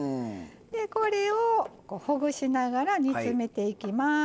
これをほぐしながら煮詰めていきます。